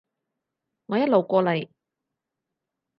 我一路過嚟